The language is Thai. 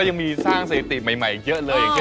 อืมคนิตตัวเอง